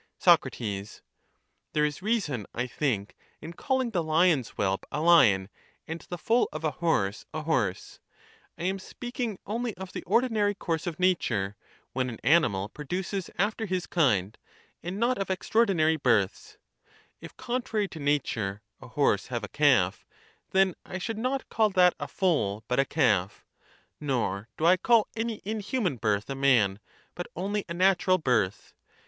Soc. There is reason, I think, in calling the lion's whelp a lion, and the foal of a horse a horse ; I am speaking only of the ordinary course of nature, when an animal produces after his kind ', and not of extraordinary births ;— if contrary to nature a horse have a calf, then I should not call that a foal but a calf; nor do I call any inhuman birth a man, but only a natural birth.